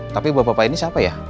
tapi bapak bapak ini siapa ya